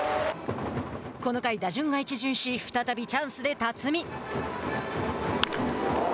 この回、打順が一巡し再びチャンスで辰己。